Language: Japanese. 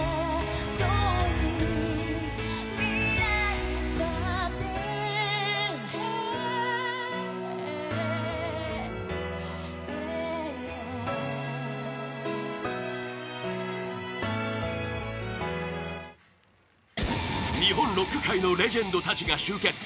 主題歌は日本ロック界のレジェンドたちが集結